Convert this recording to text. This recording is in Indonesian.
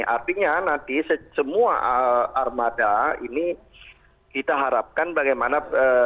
artinya nanti semua armada ini kita harapkan bagaimana